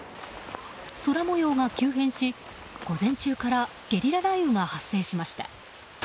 空模様が急変し、午前中からゲリラ雷雨が発生しました。